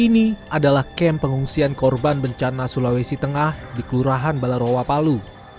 ini adalah kem pengungsian korban bencana sulawesi tengah di kelurahan balai roa palu